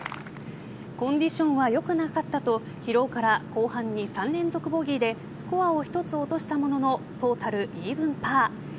コンディションは良くなかったと疲労から後半に３連続ボギーでスコアを１つ落としたもののトータルイーブンパー。